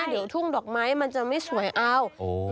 เดี๋ยวทุ่งดอกไม้มันจะไม่สวยเอา